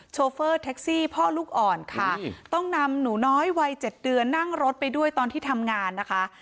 โฟเฟอร์แท็กซี่พ่อลูกอ่อนค่ะต้องนำหนูน้อยวัย๗เดือนนั่งรถไปด้วยตอนที่ทำงานนะคะ